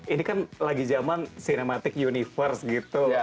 ini kan lagi zaman cinematic universe gitu